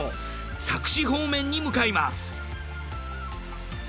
佐久市方面に向かいます。